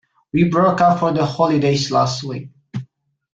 We broke up for the holidays last week